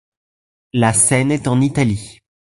La scène est en Italie.